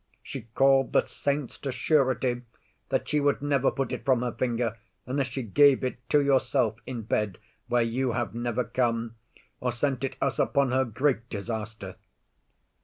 She call'd the saints to surety That she would never put it from her finger Unless she gave it to yourself in bed, Where you have never come, or sent it us Upon her great disaster.